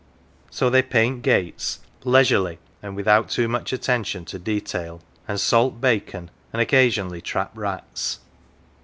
So they paint gates leisurely and without too much attention to detail and salt bacon, and occa sionally trap rats.